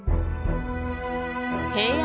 平安